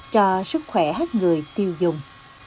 cho sức khỏe hết người tiêu dùng